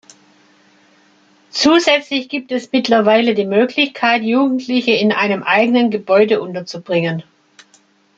Zusätzlich gibt es mittlerweile die Möglichkeit, Jugendliche in einem eigenen Gebäude unterzubringen.